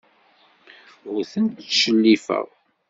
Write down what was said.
Ur tent-ttcellifeɣ.